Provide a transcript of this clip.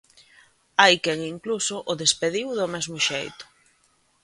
Hai quen incluso o despediu do mesmo xeito.